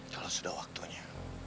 kalau sudah waktunya